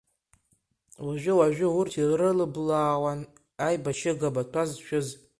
Уажәы-уажәы урҭ ирылылбаауан аибашьыга маҭәа зшәыз.